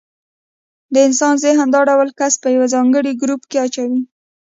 د انسان ذهن دا ډول کس په یو ځانګړي ګروپ کې اچوي.